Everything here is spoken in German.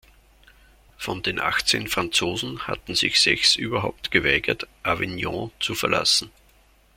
Von den achtzehn Franzosen hatten sich sechs überhaupt geweigert, Avignon zu verlassen.